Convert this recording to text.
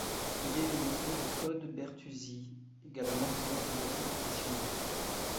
Il est le neveu de Todd Bertuzzi, également joueur de hockey professionnel.